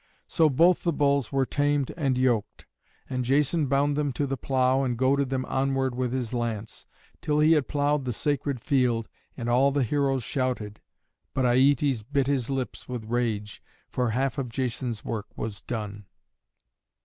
So both the bulls were tamed and yoked, and Jason bound them to the plow and goaded them onward with his lance, till he had plowed the sacred field. And all the heroes shouted, but Aietes bit his lips with rage, for half of Jason's work was done.